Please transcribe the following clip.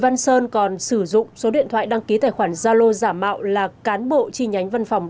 văn sơn còn sử dụng số điện thoại đăng ký tài khoản gia lô giả mạo là cán bộ chi nhánh văn phòng